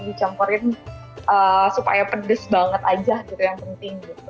dicampurin supaya pedes banget aja gitu yang penting gitu